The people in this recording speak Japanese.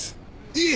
いえ！